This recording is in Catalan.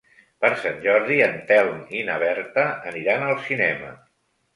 Per Sant Jordi en Telm i na Berta aniran al cinema.